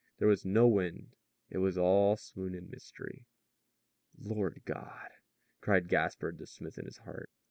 There was no wind. It was all swoon and mystery. "Lord God!" cried Gaspard the smith in his heart.